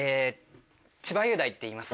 千葉雄大っていいます